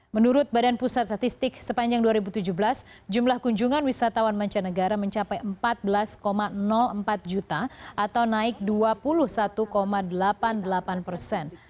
menurut badan pusat statistik sepanjang dua ribu tujuh belas jumlah kunjungan wisatawan mancanegara mencapai empat belas empat juta atau naik dua puluh satu delapan puluh delapan persen